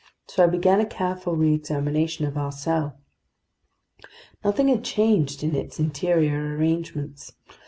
So I began a careful reexamination of our cell. Nothing had changed in its interior arrangements.